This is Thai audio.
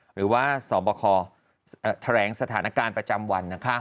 หรือว่าสบคแถลงสถานการณ์ประจำวันนะคะ